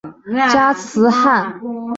加兹罕在河中地区拥立新汗。